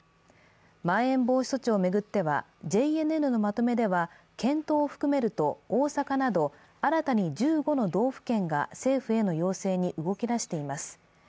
まん延防止措置を巡ってはＪＮＮのまとめでは検討を含めると大阪など新たに１５の道府県が政府への要請に動き出しています。